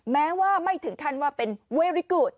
แม้ว่าไม่ถึงขั้นว่าเป็นเวริกุฎ